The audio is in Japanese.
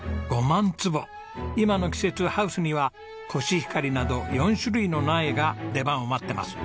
今の季節ハウスにはコシヒカリなど４種類の苗が出番を待ってます。